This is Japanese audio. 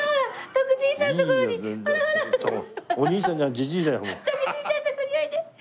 徳じいちゃんとこにおいで。